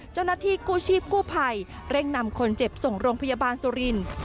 เจ้าหน้าที่กู้ชีพกู้ภัยเร่งนำคนเจ็บส่งโรงพยาบาลสุรินทร์